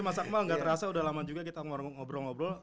mas akmal gak terasa udah lama juga kita ngobrol ngobrol